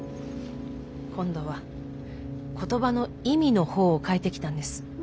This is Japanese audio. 今度は言葉の意味の方を変えてきたんです。